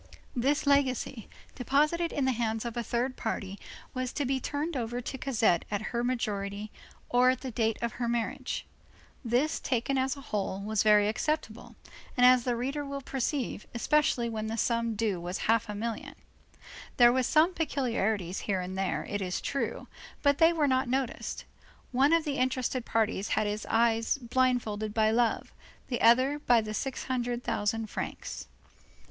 This legacy, deposited in the hands of a third party, was to be turned over to Cosette at her majority, or at the date of her marriage. This, taken as a whole, was very acceptable, as the reader will perceive, especially when the sum due was half a million. There were some peculiarities here and there, it is true, but they were not noticed; one of the interested parties had his eyes blindfolded by love, the others by the six hundred thousand francs.